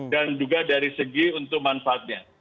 dan juga dari segi untuk manfaatnya